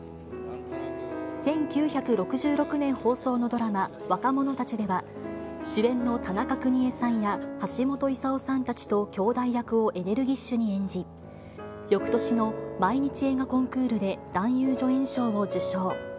放送のドラマ、若者たちでは、主演の田中邦衛さんや、橋爪功さんたちと兄弟役をエネルギッシュに演じ、よくとしの毎日映画コンクールで男優助演賞を受賞。